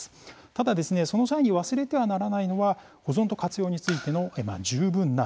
ただその際に忘れてはならないのは保存と活用についての十分な目配りです。